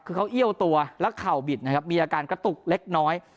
คือเขาเอี้ยวตัวแล้วเข่าบิดนะครับมีอาการกระตุกเล็กน้อย